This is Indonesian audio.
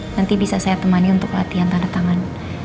nanti bisa saya temani untuk latihan tanda tangan